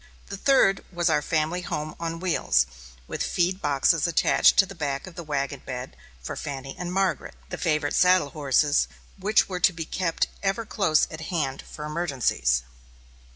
The third was our family home on wheels, with feed boxes attached to the back of the wagon bed for Fanny and Margaret, the favorite saddle horses, which were to be kept ever close at hand for emergencies.